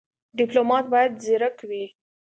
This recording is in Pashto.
ډيپلومات بايد ځيرک وي.